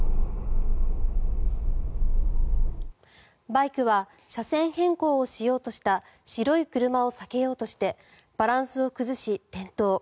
バイクは車線変更をしようとした白い車を避けようとしてバランスを崩し、転倒。